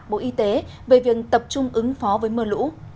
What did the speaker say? bộ y tế về việc tập trung ứng phó với mưa lũ